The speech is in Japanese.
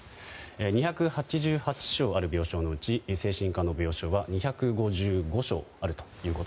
２８８床ある病床のうち精神科の病床は２５５床あると。